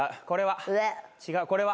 違うこれは？